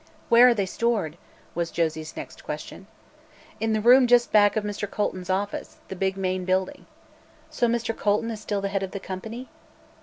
"Where are they stored?" was Josie's next question. "In the room just back of Mr. Colton's office the big main building." "So Mr. Colton is still the head of the company?"